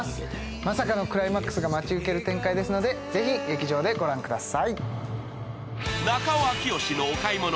まさかのクライマックスが待ち受ける展開ですのでぜひ劇場でご覧ください。